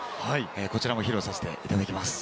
こちらも披露させていただきます。